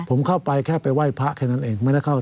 ผมเข้าไปแค่ไปไหว้พระแค่นั้นเองไม่ได้เข้าไป